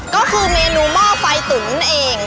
ก็คือเมนูหม้อไฟตุ๋นนั่นเอง